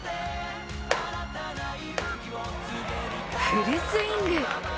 フルスイング！